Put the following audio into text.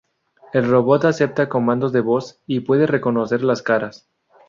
El robot acepta comandos de voz y puede reconocer las caras.